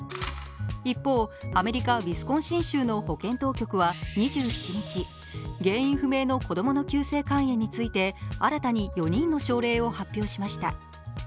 一方、アメリカ・ウィスコンシン州の保健当局は原因不明の子供の急性肝炎について新たに４人の症例を発表しました。